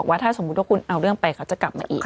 ว่าถ้าสมมุติว่าคุณเอาเรื่องไปเขาจะกลับมาอีก